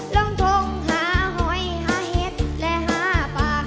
ลงทงหาหอยหาเห็ดและหาปาก